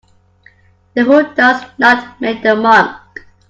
The hood does not make the monk.